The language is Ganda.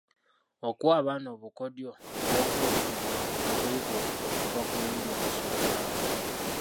Okuwa abaana obukodyo bw’okwejjulula mu kuyiga okuva ku Lulimi olusookerwako.